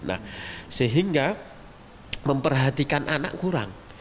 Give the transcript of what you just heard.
nah sehingga memperhatikan anak kurang